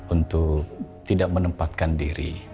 untuk tidak menempatkan diri